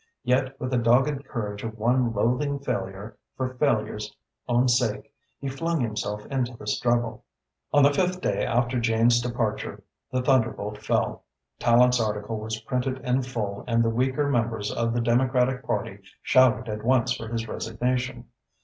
Yet with the dogged courage of one loathing failure for failure's own sake, he flung himself into the struggle. On the fifth day after Jane's departure, the thunderbolt fell. Tallente's article was printed in full and the weaker members of the Democratic Party shouted at once for his resignation.